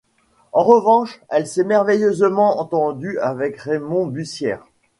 En revanche, elle s'est merveilleusement entendue avec Raymond Bussières.